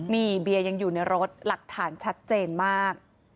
นี่เบียร์ยังอยู่ในรถหลักฐานชัดเจนมาก